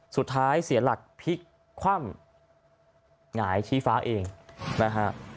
สุดท้ายเสียหลักพลิกคว่ำหงายที่ฟ้าเองนะฮะ